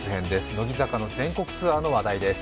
乃木坂の全国ツアーの話題です。